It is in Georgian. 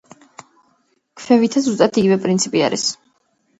ქვევითაც ზუსტად იგივე პრინციპი არის.